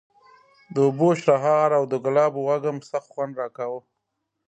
د اوبو شرهار او د ګلابو وږم سخت خوند راکاوه.